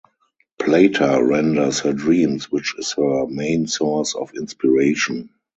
Plata renders her dreams which is her main source of inspiration.